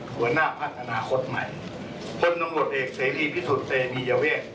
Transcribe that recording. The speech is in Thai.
หัวหน้าพักอนาคตใหม่พลตำรวจเอกเสรีพิสุทธิ์เตมียเวท